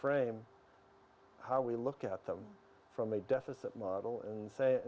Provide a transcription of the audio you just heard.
dan mendapatkan buku tentang subjek favorit saya